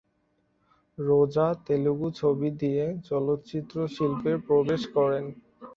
রোজা তেলুগু ছবি দিয়ে চলচ্চিত্র শিল্পে প্রবেশ করেন।